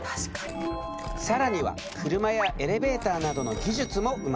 更には車やエレベーターなどの技術も生まれた。